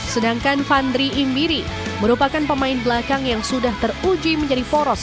sedangkan fandri imbiri merupakan pemain belakang yang sudah teruji menjadi poros